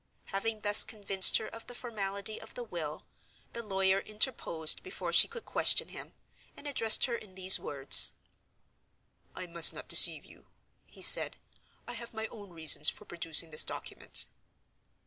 Having thus convinced her of the formality of the will, the lawyer interposed before she could question him, and addressed her in these words: "I must not deceive you," he said. "I have my own reasons for producing this document."